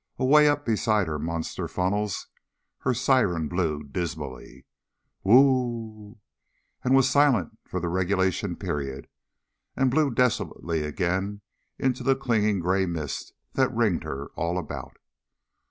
Away up beside her monster funnels her siren blew dismally, Whoo oo oo oo! and was silent for the regulation period, and blew desolately again into the clinging gray mist that ringed her all about.